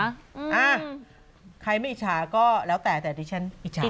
อ้างใครไม่อิชาก็แล้วแต่อย่างเดียวกันแผลขึ้น